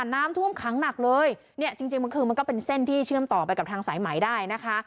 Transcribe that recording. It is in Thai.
น้ำท่วมขังหนักเลยเนี่ยจริงจริงมันคือมันก็เป็นเส้นที่เชื่อมต่อไปกับทางสายไหมได้นะคะ